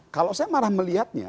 kalau saya marah melihatnya